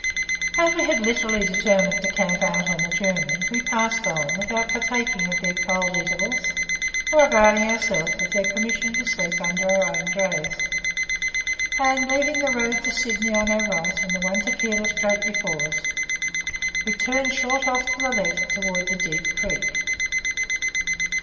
As we literally determined to "camp out" on the journey, we passed on, without partaking of their "cold eatables," or availing ourselves of their permission to sleep under our own drays, and, leaving the road to Sydney on our right, and the one to Keilor straight before us, we turned short off to the left towards the Deep Creek.